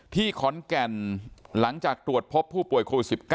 ที่ขอนแก่นหลังจากตรวจพบผู้ป่วยโควิด๑๙